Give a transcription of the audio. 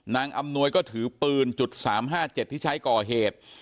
อำนวยก็ถือปืน๓๕๗ที่ใช้ก่อเหตุ